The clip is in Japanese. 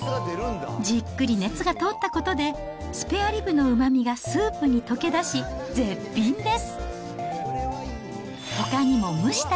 じっくり熱が通ったことで、スペアリブのうまみがスープに溶け出し、絶品です。